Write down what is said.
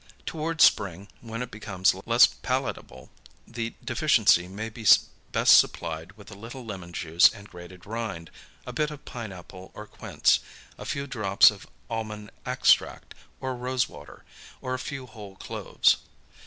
Toward spring, when it becomes less palatable, the deficiency may be best supplied with a little lemon juice and grated rind, a bit of pineapple or quince, a few drops of almond extract or rose water, or a few whole cloves.